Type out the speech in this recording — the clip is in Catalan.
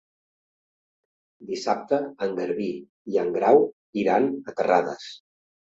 Dissabte en Garbí i en Grau iran a Terrades.